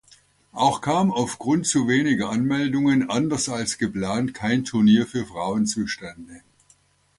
Auch kam aufgrund zu weniger Anmeldungen anders als geplant kein Turnier für Frauen zustande.